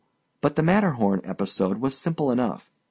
But the Matterhorn episode was simple enough.